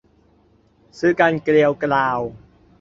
ชื้อกันเกรียวกราว